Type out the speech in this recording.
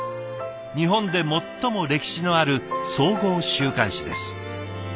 日本で最も歴史のある総合週刊誌です。